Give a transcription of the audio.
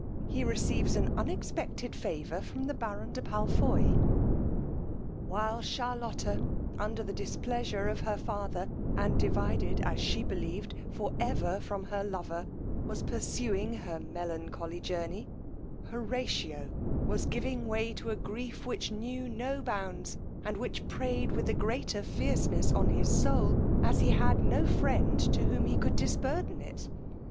He receives an unexpected favour from the baron de Palfoy._ While Charlotta, under the displeasure of her father, and divided, as she believed, for ever from her lover, was pursuing her melancholy journey, Horatio was giving way to a grief which knew no bounds, and which preyed with the greater feirceness on his soul, as he had no friend to whom he could disburden it.